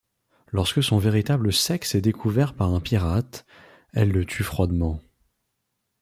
Lorsque son véritable sexe est découvert par un pirate, elle le tue froidement.